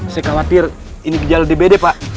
saya khawatir ini gejala dbd pak